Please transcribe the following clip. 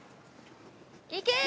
いけ！